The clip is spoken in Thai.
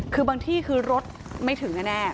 คือบางที่คือรถไม่ถึงแน่